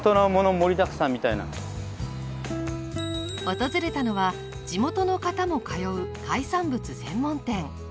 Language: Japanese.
訪れたのは地元の方も通う海産物専門店。